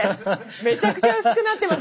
めちゃくちゃ薄くなってます。